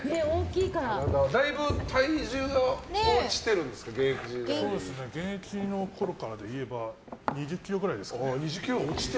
だいぶ体重は落ちてるんですか現役のころからでいえば２０ｋｇくらいですかね。